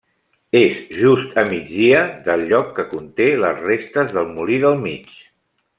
És just a migdia del lloc que conté les restes del Molí del Mig.